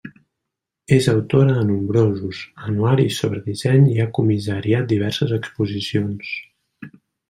És autora de nombrosos anuaris sobre disseny i ha comissariat diverses exposicions.